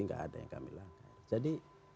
tidak ada yang kami langgar jadi